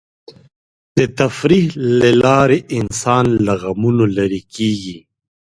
د تفریح له لارې انسان له غمونو لرې کېږي.